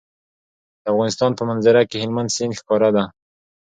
د افغانستان په منظره کې هلمند سیند ښکاره ده.